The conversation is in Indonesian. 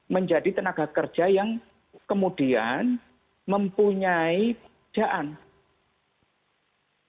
menjadi tenaga kerja yang kemudian mempunyai kemudian mempunyai kemudian mempunyai kemudian mempunyai kemudian